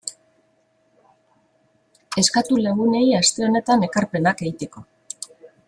Eskatu lagunei aste honetan ekarpenak egiteko.